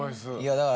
だから。